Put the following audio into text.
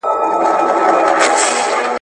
د عدې مصارف د چا پر غاړه دي؟